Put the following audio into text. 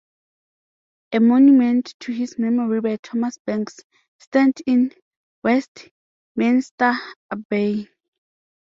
A monument to his memory, by Thomas Banks, stands in Westminster Abbey.